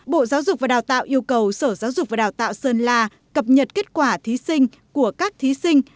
bộ giáo dục và đào tạo yêu cầu sở giáo dục và đào tạo sơn la cập nhật kết quả thí sinh của các thí sinh